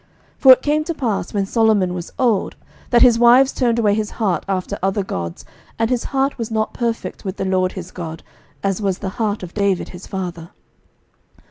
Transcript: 11:011:004 For it came to pass, when Solomon was old, that his wives turned away his heart after other gods: and his heart was not perfect with the LORD his God, as was the heart of David his father.